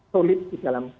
solid di dalam